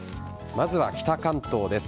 まずは北関東です。